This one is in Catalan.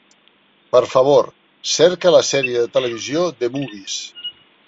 Per favor, cerca la sèrie de televisió "The Movies".